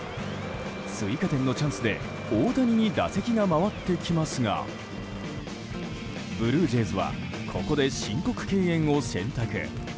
追加点のチャンスで大谷に打席が回ってきますがブルージェイズはここで申告敬遠を選択。